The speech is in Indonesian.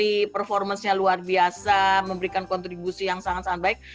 jadi performance nya luar biasa memberikan kontribusi yang sangat sangat baik